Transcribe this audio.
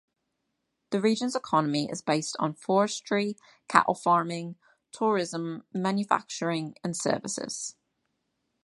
The region's economy is based on forestry, cattle farming, tourism, manufacturing, and services.